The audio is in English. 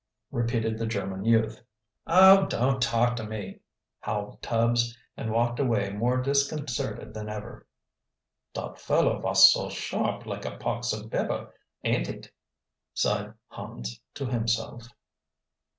repeated the German youth. "Oh, don't talk to me," howled Tubbs, and walked away more disconcerted than ever. "Dot fellow vas so sharp like a pox of bebber, ain't it?" sighed Hans to himself.